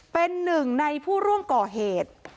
เป็นหนึ่งในผู้ร่วมก่อเหตุ